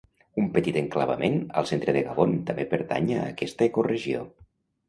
Un petit enclavament al centre de Gabon també pertany a aquesta ecoregió.